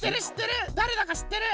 しってる？